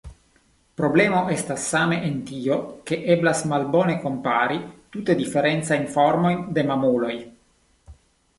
Problemo estas same en tio, ke eblas malbone kompari tute diferencajn formojn de mamuloj.